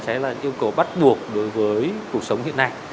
sẽ là yêu cầu bắt buộc đối với cuộc sống hiện nay